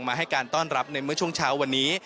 ให้การต้อนรับในเมื่อช่วงเช้าวันนี้